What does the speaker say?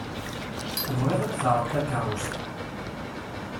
Tebɣiḍ ad d-taɣeḍ takeṛṛust.